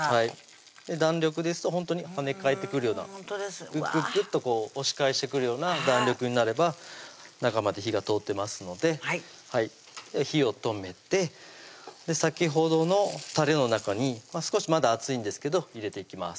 弾力ですとほんとに跳ね返ってくるようなグッグッグッとこう押し返してくるような弾力になれば中まで火が通ってますので火を止めて先ほどのたれの中に少しまだ熱いんですけど入れていきます